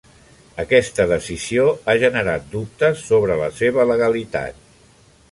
Aquesta decisió ha generat dubtes sobre la seva legalitat.